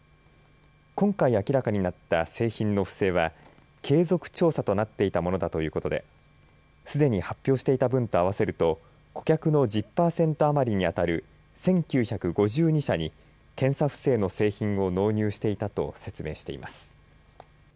今回明らかになった製品の不正は継続調査となっていたものだということですでに発表していた分と合わせると顧客の１０パーセント余りにあたる１９５２社に検査不正の製品を納入していたと説明しています。